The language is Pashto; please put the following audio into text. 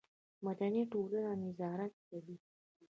مدني ټولنه نظارت کوي